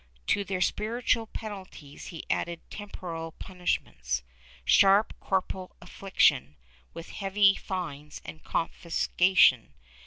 To their spiritual penalties he added temporal punishments sharp corporal affliction, with heavy fines and confiscation, and ' Tirado y Rojas, I, 269 73, 354.